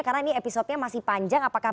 karena ini episode nya masih panjang apakah